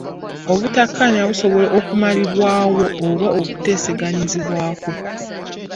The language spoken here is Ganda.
Obutakkaanya busobola okumalibwawo oba okuteeseganyizibwako.